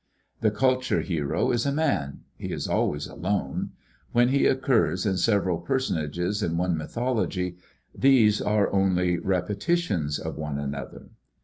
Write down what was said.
The culture hero is a man; he is always alone. Where he occurs in several personages in one mythology, these are only repetitions of one another.